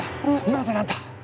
なぜなんだ。